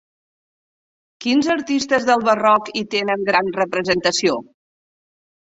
Quins artistes del barroc hi tenen gran representació?